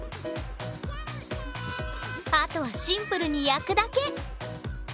あとはシンプルに焼くだけ！